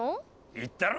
言ったろ？